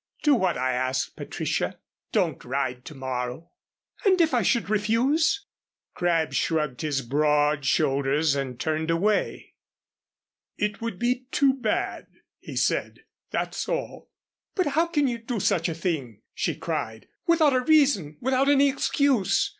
Do what I ask, Patricia. Don't ride to morrow " "And if I should refuse " Crabb shrugged his broad shoulders and turned away. "It would be too bad," he said, "that's all." "But how can you do such a thing," she cried, "without a reason without any excuse?